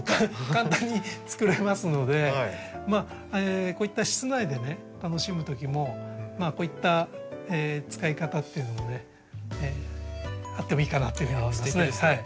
簡単に作れますのでこういった室内で楽しむときもこういった使い方っていうのもねあってもいいかなというふうに思いますね。